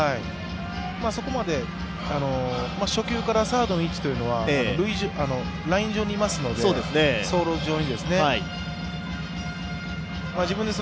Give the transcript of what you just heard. そこまで、初球からサードの位置というのはライン上にいますので、走路上にいますので。